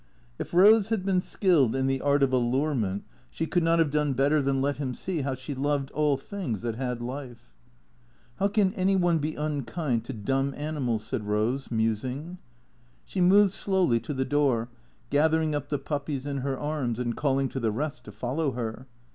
If Rose had been skilled in the art of allurement she could not have done better than let him see how she loved all things that had life. " How any one can be unkind to dumb animals," said Rose, musing. She moved slowly to the door, gathering up the puppies in her arms, and calling to the rest to follow her.